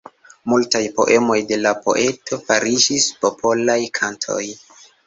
Multaj poemoj de la poeto fariĝis popolaj kantoj.